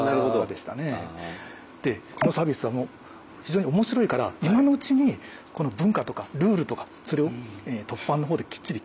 このサービスは非常に面白いから今のうちに文化とかルールとかそれを凸版のほうできっちり決めてくれみたいな。